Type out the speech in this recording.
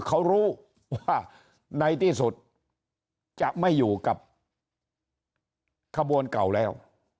เขารู้ว่าในที่สุดจะไม่อยู่กับขบวนเก่าแล้ว